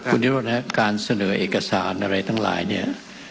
คุณนิโรธครับการเสนอเอกสารอะไรทั้งหลายเนี่ย